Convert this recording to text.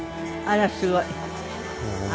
あらすごい。